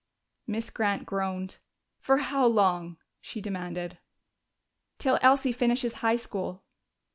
Miss Grant groaned. "For how long?" she demanded. "Till Elsie finishes high school."